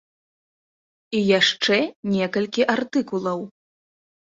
І яшчэ некалькі артыкулаў.